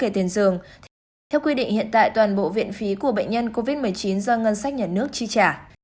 theo quy định hiện tại toàn bộ viện phí của bệnh nhân covid một mươi chín do ngân sách nhà nước chi trả